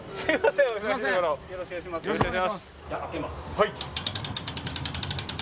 はい。